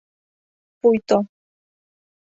Пуйто